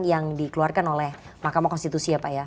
yang dikeluarkan oleh mahkamah konstitusi ya pak ya